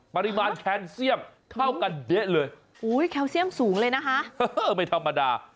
ปริมาณแคนเซียมเท่ากันเด๊ะเลยอุ้ยแคลเซียมสูงเลยนะคะเออไม่ธรรมดา